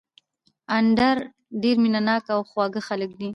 اندړ ډېر مېنه ناک او خواږه خلک دي